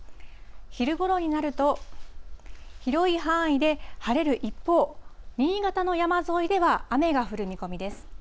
昼ごろになると、広い範囲で晴れる一方、新潟の山沿いでは雨が降る見込みです。